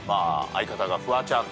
相方がフワちゃん。